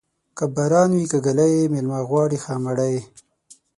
که باران وې که ږلۍ، مېلمه غواړي ښه مړۍ.